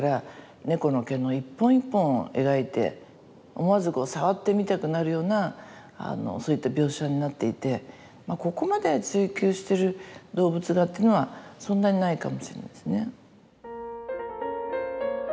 思わずこう触ってみたくなるようなそういった描写になっていてここまで追求してる動物画っていうのはそんなにないかもしれないですね。